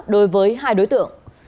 đối với hai đối tượng